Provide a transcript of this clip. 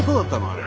あれ。